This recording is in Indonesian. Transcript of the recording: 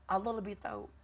allah lebih tahu